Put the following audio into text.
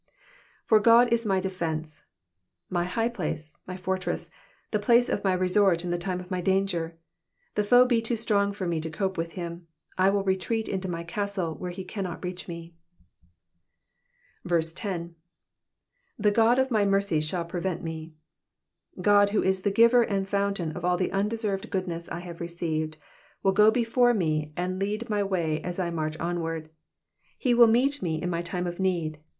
'' jPbr Ood is my defenee^^' my high place, my fortress, the place of my resort in Jthe time of my danger. If the foe be too strong for me to cope with him, I will retreat into my castle, where he cannot reach me. 10. ^'The God of my mercy shall precent me,""^ God who is the giver and fountain of all the undeserved goodness I have received, will go before me and lead my way as I march onward. He will meet me in my time of need.